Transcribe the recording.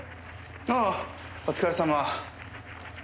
ああお疲れさま。